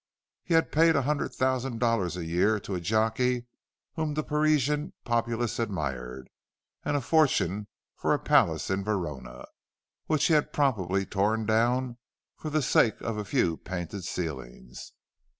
He had paid a hundred thousand dollars a year to a jockey whom the Parisian populace admired, and a fortune for a palace in Verona, which he had promptly torn down, for the sake of a few painted ceilings.